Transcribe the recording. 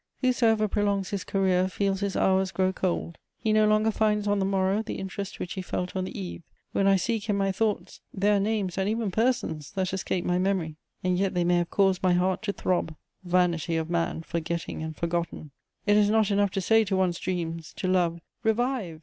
Whosoever prolongs his career feels his hours grow cold; he no longer finds on the morrow the interest which he felt on the eve. When I seek in my thoughts, there are names and even persons that escape my memory, and yet they may have caused my heart to throb: vanity of man forgetting and forgotten! It is not enough to say to one's dreams, to love, "Revive!"